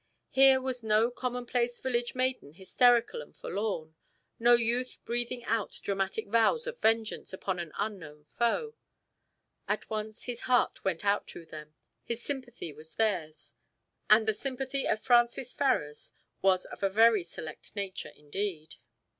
Here was no commonplace village maiden hysterical and forlorn, no youth breathing out dramatic vows of vengeance upon an unknown foe. At once his heart went out to them, his sympathy was theirs, and the sympathy of Francis Ferrars was of a very select nature indeed.